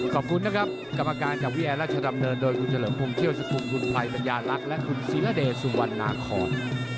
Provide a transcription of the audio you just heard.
ขอบคุณนะครับกรรมการจากพี่แอร์ราชดำเนินโดยคุณเฉลิมพงเคี่ยวสกุลคุณไพรปัญญาลักษณ์และคุณศิรเดชสุวรรณาคอน